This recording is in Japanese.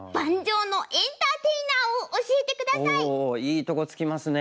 おおいいとこつきますね。